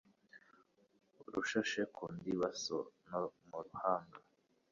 urushashe ku ndibaso no mu ruhanga.